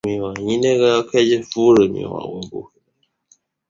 上陈遗址是位于中国陕西省蓝田县玉山镇上陈村的一处旧石器时代遗址。